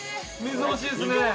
水欲しいですね。